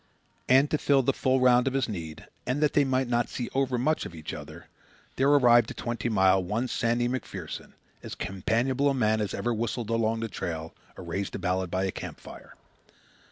And to fill the full round of his need, and that they might not see overmuch of each other, there arrived at Twenty Mile one Sandy MacPherson, as companionable a man as ever whistled along the trail or raised a ballad by a camp fire.